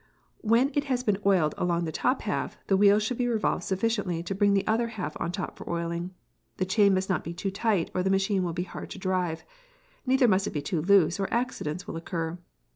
When it has been oiled along the top half, the wheels should be revolved sufficiently to bring the other half on top for oiling. The chain must not be too tight, or the machine will be hard to drive, neither must it be too loose, or accidents will occur.